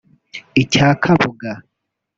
icya Kabuga